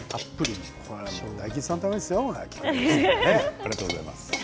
ありがとうございます。